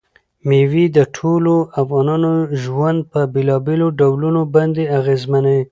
مېوې د ټولو افغانانو ژوند په بېلابېلو ډولونو باندې اغېزمنوي.